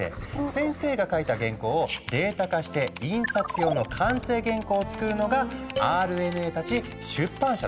先生が描いた原稿をデータ化して印刷用の完成原稿をつくるのがＲＮＡたち出版社の社員なんだ。